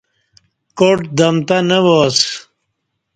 کاٹ دمتں نہ وا اسہ